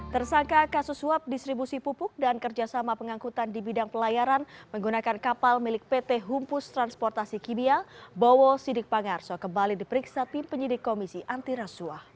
tersangka kasus suap distribusi pupuk dan kerjasama pengangkutan di bidang pelayaran menggunakan kapal milik pt humpus transportasi kibia bowo sidikpangarso kembali diperiksa tim penyidik komisi antirasuah